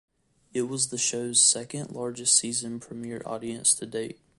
It was the show's second largest season premiere audience to date.